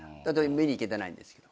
見に行けてないんですよ。